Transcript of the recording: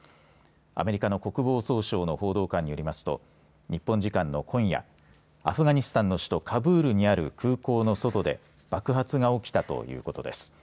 アメリカの国防総省の報道官によりますと日本時間の今夜アフガニスタンの首都カブールにある空港の外で爆発が起きたということです。